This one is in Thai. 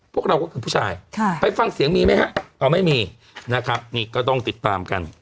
พวกเราก็คือผู้ชายไปฟังเสียงมีไหมฮะเอาไม่มีนะครับนี่ก็ต้องติดตามกัน